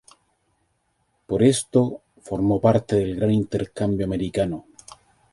Por esto, formó parte del Gran Intercambio Americano.